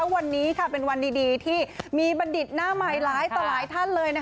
วันนี้เป็นวันดีที่มีบัณฑิตหน้าใหม่หลายต่อหลายท่านเลย